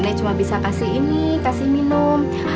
dia cuma bisa kasih ini kasih minum